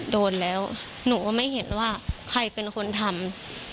โดนแล้วหนูก็ไม่เห็นว่าใครเป็นคนทำ